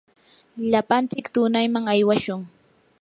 lapantsik tunayman aywashun.